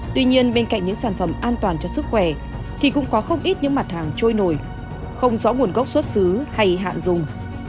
tuy nhiên bên cạnh những sản phẩm an toàn cho sức khỏe thì cũng có không ít những mặt hàng trôi nổi không rõ nguồn gốc xuất xứ hay hạn dùng